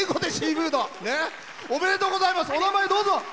お名前、どうぞ。